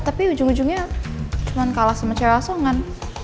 tapi ujung ujungnya cuma kalah sama cewek asongan